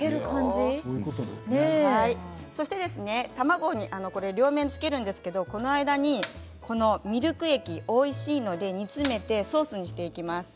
卵に両面つけるんですがこの間にミルク液はおいしいので煮詰めてソースにしておきます。